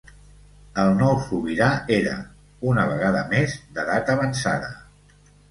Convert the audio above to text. El nou sobirà era, una vegada més, d'edat avançada.